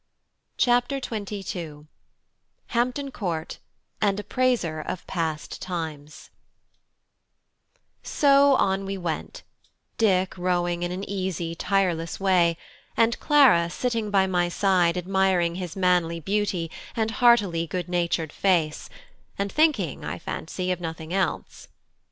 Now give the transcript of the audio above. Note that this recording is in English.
CHAPTER XXII: HAMPTON COURT AND A PRAISER OF PAST TIMES So on we went, Dick rowing in an easy tireless way, and Clara sitting by my side admiring his manly beauty and heartily good natured face, and thinking, I fancy, of nothing else.